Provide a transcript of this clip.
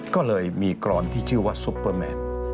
ก็เลยมีกรอนที่ชื่อว่าซุปเปอร์แมน